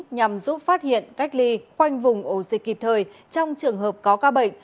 nhằm giúp phát hiện cách ly khoanh vùng ổ dịch kịp thời trong trường hợp có ca bệnh